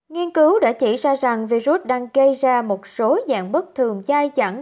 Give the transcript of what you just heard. nghiên cứu đã chỉ ra rằng virus đang gây ra một số dạng bất thường dai chẳng